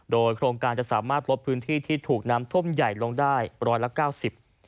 โดยโครงการจะสามารถลบพื้นที่ที่ถูกนำท่มใหญ่ลงได้๑๙๐กิโลเมตร